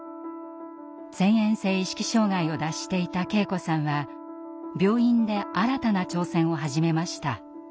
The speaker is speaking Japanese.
遷延性意識障害を脱していた圭子さんは病院で新たな挑戦を始めました。